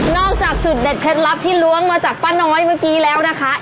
จากสูตรเด็ดเคล็ดลับที่ล้วงมาจากป้าน้อยเมื่อกี้แล้วนะคะ